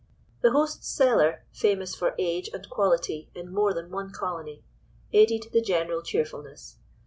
The host's cellar, famous for age and quality in more than one colony, aided the general cheerfulness.